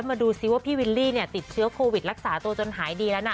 มาดูซิว่าพี่วิลลี่เนี่ยติดเชื้อโควิดรักษาตัวจนหายดีแล้วนะ